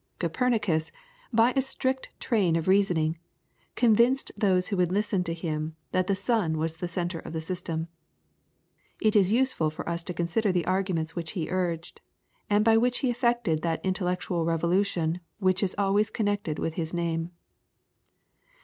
Copernicus, by a strict train of reasoning, convinced those who would listen to him that the sun was the centre of the system. It is useful for us to consider the arguments which he urged, and by which he effected that intellectual revolution which is always connected with his name.